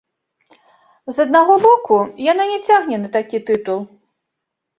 З аднаго боку, яна не цягне на такі тытул.